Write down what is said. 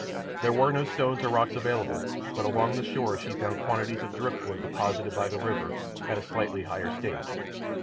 There were no stones or rocks available, but along the shore she found quantities of driftwood deposited by the river at a slightly higher stage.